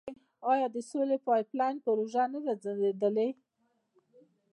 آیا د سولې پایپ لاین پروژه نه ده ځنډیدلې؟